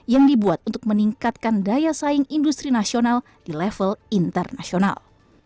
yang dibuat untuk meningkatkan daya saing industri nasional di level internasional